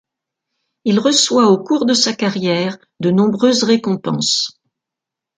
Il reçoit au cours de sa carrière de nombreuses récompenses.